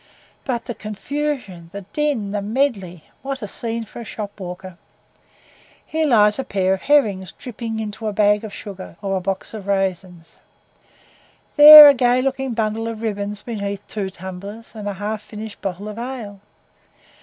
But the confusion the din the medley what a scene for a shop walker! Here lies a pair of herrings dripping into a bag of sugar, or a box of raisins; there a gay looking bundle of ribbons beneath two tumblers, and a half finished bottle of ale.